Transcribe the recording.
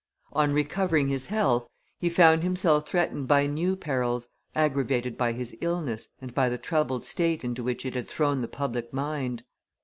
On recovering his health, he found himself threatened by new perils, aggravated by his illness and by the troubled state into which it had thrown the public mind.